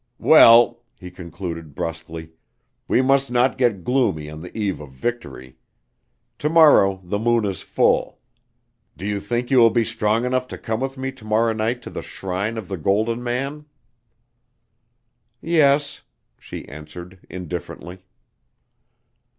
"Well," he concluded brusquely, "we must not get gloomy on the eve of victory. To morrow the moon is full do you think you will be strong enough to come with me to morrow night to the shrine of the Golden Man?" "Yes," she answered indifferently.